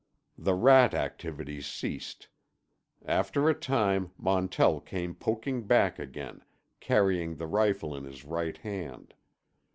The rat activities ceased. After a time Montell came poking back again, carrying the rifle in his right hand.